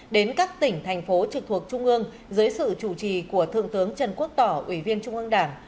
đến các tỉnh thành phố trực thuộc trung ương dưới sự chủ trì của thượng tướng trần quốc tỏ ủy viên trung ương đảng